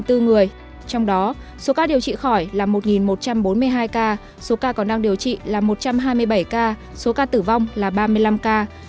trong đó số ca điều trị khỏi là một một trăm bốn mươi hai ca số ca còn đang điều trị là một trăm hai mươi bảy ca số ca tử vong là ba mươi năm ca